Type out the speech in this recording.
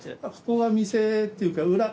あそこが店っていうか